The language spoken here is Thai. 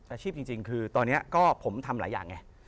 อาชีพจริงคือตอนนี้ก็ผมทำหลายอย่างไง